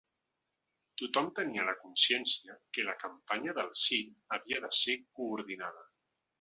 Tothom tenia la consciència que la campanya del sí havia de ser coordinada.